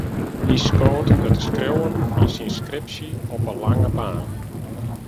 Hy skoot it skriuwen fan syn skripsje op 'e lange baan.